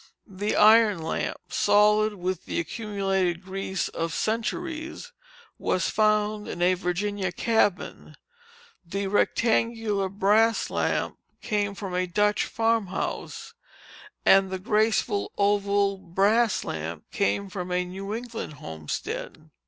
The iron lamp, solid with the accumulated grease of centuries, was found in a Virginia cabin; the rectangular brass lamp came from a Dutch farmhouse; and the graceful oval brass lamp from a New England homestead.